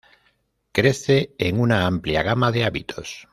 Crece en una amplia gama de hábitos.